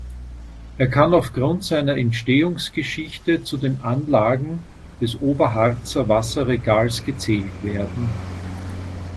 Er kann aufgrund seiner Entstehungsgeschichte zu den Anlagen des Oberharzer Wasserregals gezählt werden.